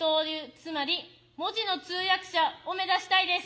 つまり「文字の通訳者」を目指したいです。